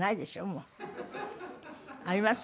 もう。あります？